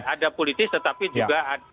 ada politis tetapi juga ada